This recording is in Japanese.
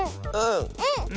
うん！